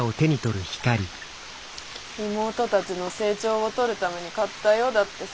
妹たちの成長を撮るために買ったよだってさ。